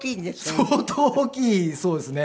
相当大きいそうですね。